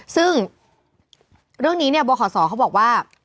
ซึ่งเรื่องนี้เนี่ยบขศเขาบอกว่า